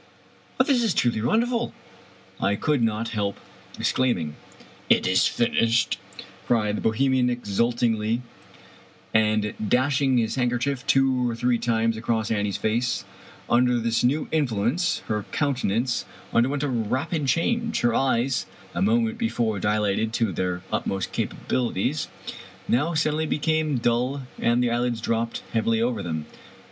" This is truly wonderful !" I could not help exclaiming. "It is finishied," cried the Bohemian exultingly, and 41 Irish Mystery Storfes dashing his handkerchief two or three times across Annie's face. Under this new influence her countenance under went a rapid change. Her eyes, a moment before dilated to their utmost capabiHties, now suddenly became dull, and the eyelids dropped heavily over them.